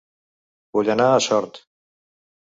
Vull anar a Sort